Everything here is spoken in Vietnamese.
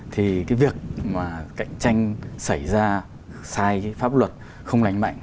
thì cái việc mà cạnh tranh xảy ra sai pháp luật không lành mạnh